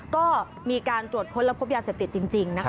ก็มีการตรวจค้นแล้วพบยาเสพติดจริงนะคะ